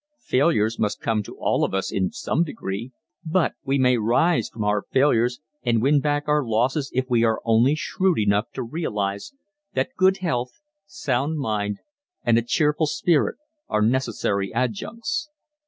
Failures must come to all of us in some degree, but we may rise from our failures and win back our losses if we are only shrewd enough to realize that good health, sound mind, and a cheerful spirit are necessary adjuncts.